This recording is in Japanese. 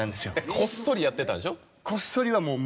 こっそりやってたんでしょ？